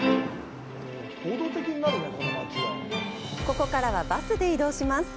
ここからはバスで移動します。